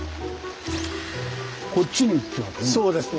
こっちに行ってますね。